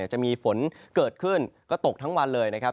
จะมีฝนเกิดขึ้นก็ตกทั้งวันเลยนะครับ